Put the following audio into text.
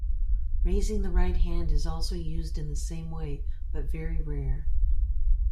Raising the right hand is also used in the same way but very rare.